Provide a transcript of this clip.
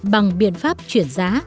bằng biện pháp chuyển giá